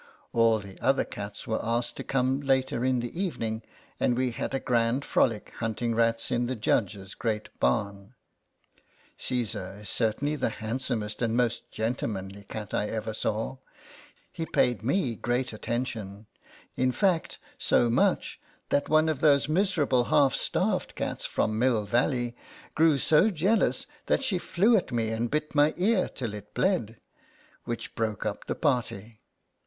All the other cats were asked to come later in the evening, and we had a grand frolic, hunting rats in the Judge's great barn. Caesar " When there suddenly came down on us a whole pailful of water. PAGE 61. LETTERS FROM A CAT. 61 is certainly the handsomest and most gentlemanly cat I ever saw. He paid me great attention : in fact, so much, that one of those miserable half starved cats from Mill Valley grew so jealous that she flew at me and bit my ear till it bled, which broke up the party.